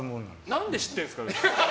何で知ってるんですか？